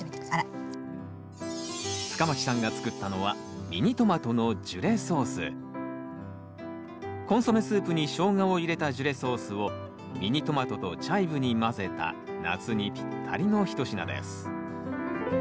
深町さんが作ったのはコンソメスープにショウガを入れたジュレソースをミニトマトとチャイブに混ぜた夏にぴったりの一品です